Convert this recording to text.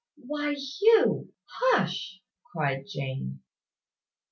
"Why, Hugh! Hush!" cried Jane.